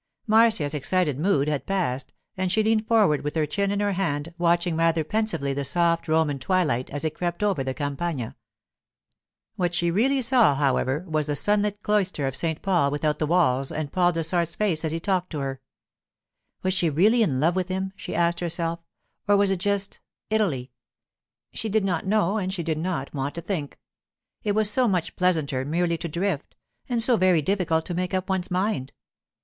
Marcia's excited mood had passed, and she leaned forward with her chin in her hand, watching rather pensively the soft Roman twilight as it crept over the Campagna. What she really saw, however, was the sunlit cloister of St. Paul Without the Walls and Paul Dessart's face as he talked to her. Was she really in love with him, she asked herself, or was it just—Italy? She did not know and she did not want to think. It was so much pleasanter merely to drift, and so very difficult to make up one's mind.